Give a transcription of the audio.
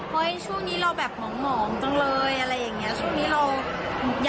เฮ้ยช่วงนี้เราแบบหอมจังเลย